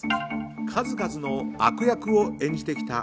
数々の悪役を演じてきた